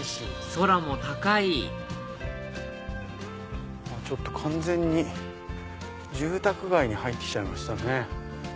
空も高い完全に住宅街に入って来ちゃいましたね。